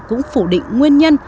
cũng phủ định nguyên nhân